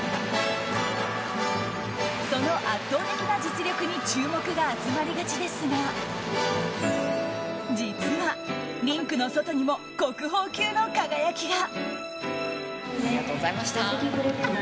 その圧倒的な実力に注目が集まりがちですが実は、リンクの外にも国宝級の輝きが。